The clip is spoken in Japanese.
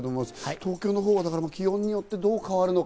東京は気温によってどう変わるのか。